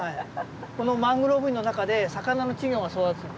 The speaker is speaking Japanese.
このマングローブの中で魚の稚魚が育つんですよ。